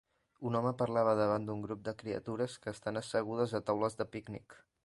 un home parla davant d'un grup de criatures que estan assegudes a taules de pícnic.